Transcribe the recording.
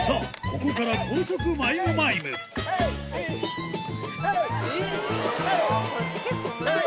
ここから高速『マイムマイム』ヘイ！